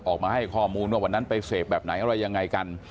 ออกมาให้ข้อมูลว่าวันนั้นไปเสพแบบไหนอะไรยังไงกัน